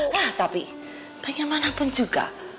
nah tapi pengen mana pun juga